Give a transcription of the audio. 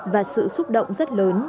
và sự xúc động rất lớn